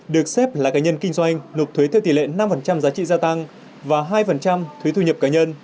được xếp là cá nhân kinh doanh nộp thuế theo tỷ lệ năm giá trị gia tăng và hai thuế thu nhập cá nhân